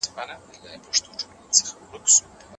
هغه بڼوال چې نعناع کري هغوی یې د ګټو په اړه ښه معلومات لري.